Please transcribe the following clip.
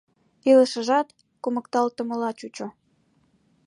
Илышыжат кумыкталтмыла чучо.